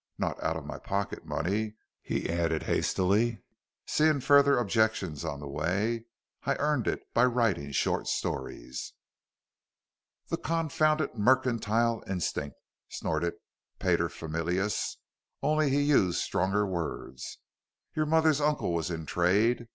Not out of my pocket money," he added hastily, seeing further objections on the way. "I earned it by writing short stories." "The confounded mercantile instinct," snorted paterfamilias, only he used stronger words. "Your mother's uncle was in trade.